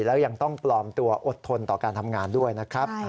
แล้วยังต้องปลอมตัวอดทนต่อการทำงานด้วยนะครับ